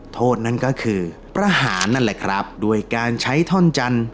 โทษนั้นก็คือประหารนั่นแหละครับด้วยการใช้ท่อนจันทร์